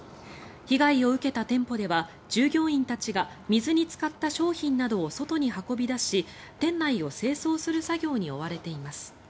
被害を受けた店舗では従業員たちが水につかった商品などを外に運び出し店内を清掃する作業に追われています。